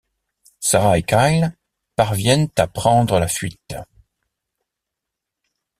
Sarah et Kyle parviennent à prendre la fuite.